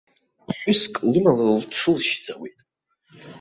Ԥҳәыск лымала лҽылшьӡауеит.